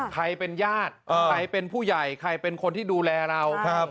ใครเป็นญาติใครเป็นผู้ใหญ่ใครเป็นคนที่ดูแลเรา